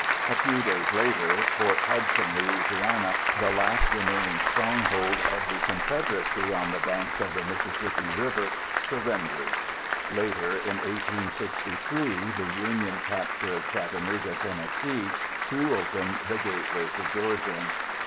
A few days later, Port Hudson, La., the last remaining stronghold of the Confederacy on the banks of the Mississippi River, surrendered. Later in 1863, the Union capture of Chattanooga, Tenn., threw open the gateway to Georgia.